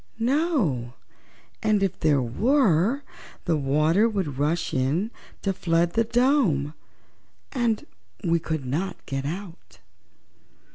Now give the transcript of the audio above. "No; and, if there were, the water would rush in to flood the dome, and we could not get out."